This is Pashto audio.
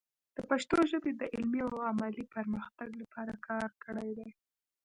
د پښتو ژبې د علمي او عملي پرمختګ لپاره کار کړی دی.